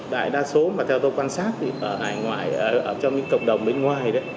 đại đa số mà theo tôi quan sát thì ở ngoài trong những cộng đồng bên ngoài